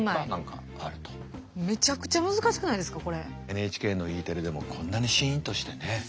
ＮＨＫのＥテレでもこんなにシーンとしてね。